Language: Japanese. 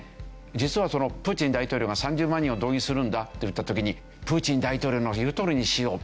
実はプーチン大統領が３０万人を動員するんだと言った時にプーチン大統領の言うとおりにしよう。